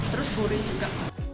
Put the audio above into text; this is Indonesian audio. terus gurih juga